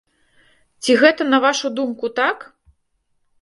Ці гэта, на вашу думку, так?